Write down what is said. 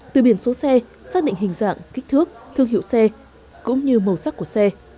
từ biển số xe xác định hình dạng kích thước thương hiệu xe cũng như màu sắc của xe